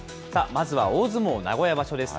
まずは大相撲名古屋場所です。